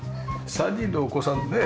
３人のお子さんね